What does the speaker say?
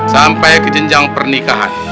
sampai kejenjang pernikahan